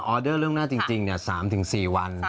เดอร์เรื่องหน้าจริง๓๔วัน